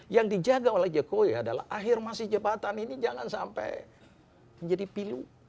yang dijaga oleh jokowi adalah akhir masa jabatan ini jangan sampai menjadi pilu